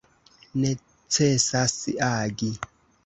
Necesas agi.